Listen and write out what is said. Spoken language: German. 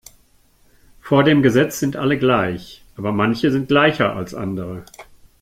Vor dem Gesetz sind alle gleich, aber manche sind gleicher als andere.